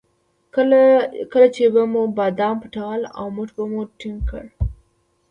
کله چې به مو بادام پټول او موټ به مو ټینګ کړ.